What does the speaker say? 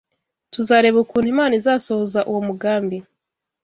tuzareba ukuntu Imana izasohoza uwo mugambi